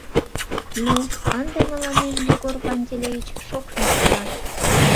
Ну, ынде мыланем Егор Пантелеич шокшым пурта.